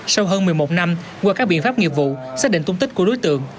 sau hơn một mươi một năm qua các biện pháp nghiệp vụ xác định tung tích của đối tượng